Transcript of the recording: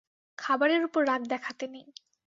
খাবারের উপর রাগ দেখাতে নেই।